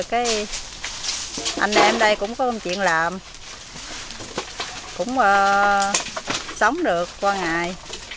cái anh em ở đây cũng có một chuyện làm cũng sống được qua ngày